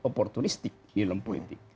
oportunistik di dalam politik